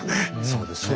そうですね。